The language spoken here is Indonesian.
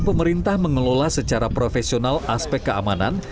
pemerintah mengelola secara profesional aspek keamanan